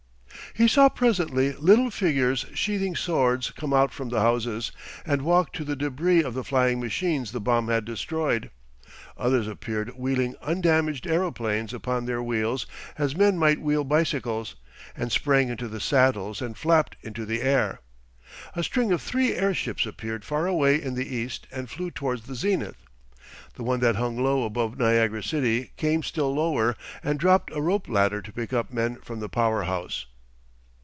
He saw presently little figures sheathing swords come out from the houses and walk to the debris of the flying machines the bomb had destroyed. Others appeared wheeling undamaged aeroplanes upon their wheels as men might wheel bicycles, and sprang into the saddles and flapped into the air. A string of three airships appeared far away in the east and flew towards the zenith. The one that hung low above Niagara city came still lower and dropped a rope ladder to pick up men from the power house.